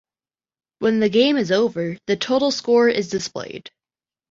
When the game is over, the total score is displayed.